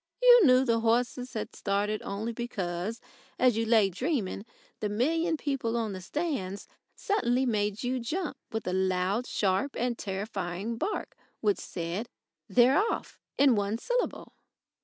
You knew that the horses had started only because, as you lay dreaming, the million people on the stands suddenly made you jump with a loud, sharp, and terrifying bark, which said: "They're off!" in one syllable.